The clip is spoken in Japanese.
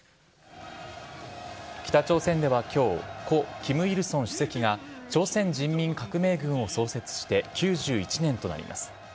北朝鮮ではきょう、故・キム・イルソン主席が朝鮮人民革命軍を創設して９１年となります。